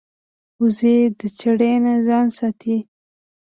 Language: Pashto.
وزې د چړې نه ځان ساتي